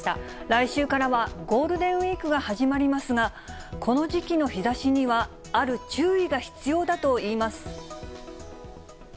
来週からはゴールデンウィークが始まりますが、この時期の日ざしには、ある注意が必要だといいます。